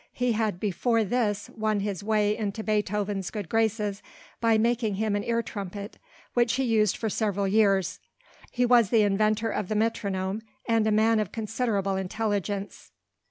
He had before this won his way into Beethoven's good graces by making him an ear trumpet, which he used for several years. He was the inventor of the metronome and a man of considerable intelligence.